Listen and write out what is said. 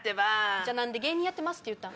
じゃあ何で芸人やってますって言うたん？